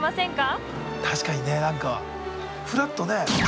確かにね何かふらっとね。